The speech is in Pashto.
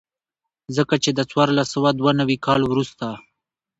ځکه چې د څوارلس سوه دوه نوي کال وروسته.